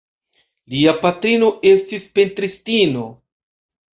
Lia patrino estis pentristino.